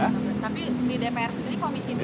tapi di dpr sendiri komisi dua